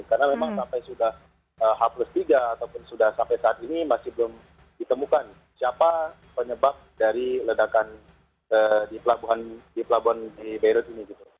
karena memang sampai sudah hapus tiga ataupun sampai saat ini masih belum ditemukan siapa penyebab dari ledakan di pelabuhan beirut ini